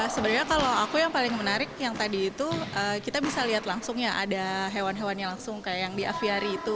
sebenarnya kalau aku yang paling menarik yang tadi itu kita bisa lihat langsung ya ada hewan hewannya langsung kayak yang di aviari itu